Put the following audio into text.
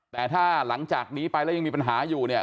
แต่ถ้าหลังจากนี้ไปแล้วยังมีปัญหาอยู่เนี่ย